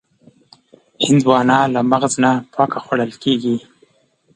هندوانه له مغز نه پاکه خوړل کېږي.